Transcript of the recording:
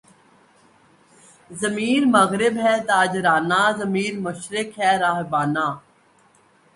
ضمیرِ مغرب ہے تاجرانہ، ضمیر مشرق ہے راہبانہ